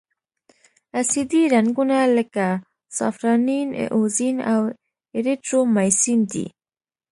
اسیدي رنګونه لکه سافرانین، ائوزین او ایریترومایسین دي.